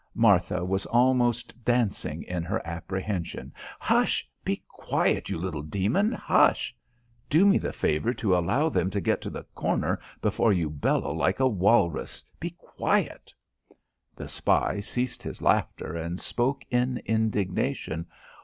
Martha was almost dancing in her apprehension. "Hush! Be quiet, you little demon! Hush! Do me the favour to allow them to get to the corner before you bellow like a walrus. Be quiet." The spy ceased his laughter and spoke in indignation.